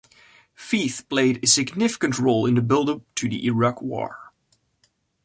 Feith played a significant role in the buildup to the Iraq war.